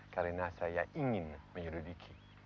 karena saya ingin melidiki